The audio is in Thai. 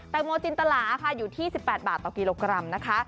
แตงโมจินตลาค่ะอยู่ที่๑๘บาทต่อกิโลกรัมนะคะ